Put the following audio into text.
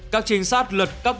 các trinh sát lật cấp nhu cầu